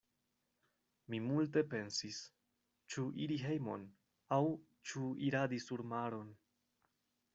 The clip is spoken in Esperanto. Mi multe pensis; ĉu iri hejmon, aŭ ĉu iradi surmaron.